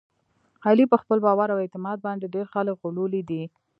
علي په خپل باور او اعتماد باندې ډېر خلک غولولي دي.